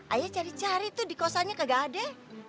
ayah cari cari tuh di kosannya kagak ada